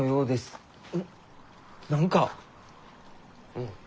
うん。